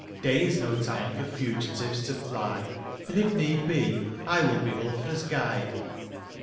Day is no time for fugitives to fly. And if need be, I will be Ulfr's guide."